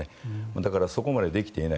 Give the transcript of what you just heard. だからそこまでできていない。